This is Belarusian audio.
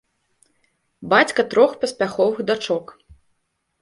Бацька трох паспяховых дачок.